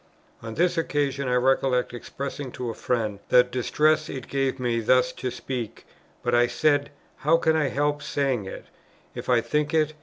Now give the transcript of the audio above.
On this occasion I recollect expressing to a friend the distress it gave me thus to speak; but, I said, "How can I help saying it, if I think it?